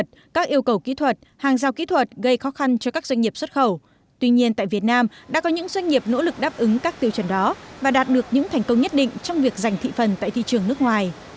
tuy nhiên tại việt nam đã có những doanh nghiệp nỗ lực đáp ứng các tiêu chuẩn đó và đạt được những thành công nhất định trong việc giành thị phần tại thị trường nước ngoài